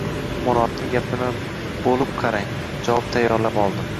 Murodni gapini bo‘lib qarang, javob tayyorlab oldi.